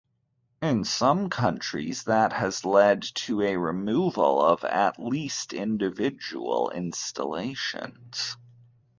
In some countries, that has led to a removal of at least individual installations.